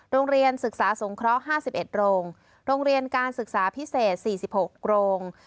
โรงเรียนศึกษาสงเคราะห์๕๑โรงโรงเรียนการศึกษาพิเศษ๔๖โรง